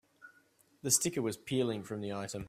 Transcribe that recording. The sticker was peeling from the item.